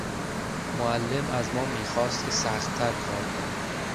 معلم از ما میخواست که سختتر کار کنیم.